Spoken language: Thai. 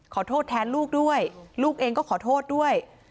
ขอโทษแทนลูกด้วยลูกเองก็ขอโทษด้วย